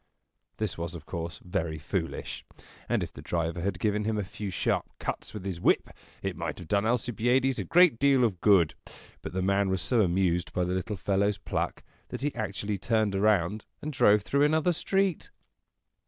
This was of course very foolish; and if the driver had given him a few sharp cuts with his whip, it might have done Alcibiades a great deal of good. But the man was so amused by the little fellow's pluck, that he actually turned around and drove through another street.